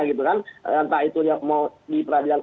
gitu kan entah itu yang mau di peradilan